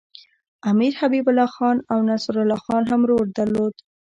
امیر حبیب الله خان او نصرالله خان هم رول درلود.